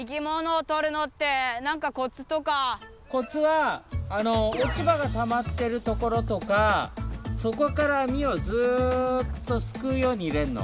コツは落ち葉がたまってるところとか底からアミをずっとすくうように入れんの。